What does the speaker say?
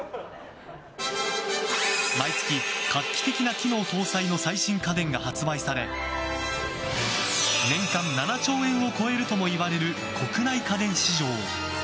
毎月、画期的な機能搭載の最新家電が発売され年間７兆円を超えるともいわれる国内家電市場。